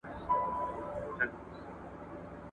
توليدي وسايلو د بيکارۍ کچه په بشپړه توګه کمه کړه.